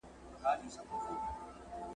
چي زندان تر آزادۍ ورته بهتر وي ,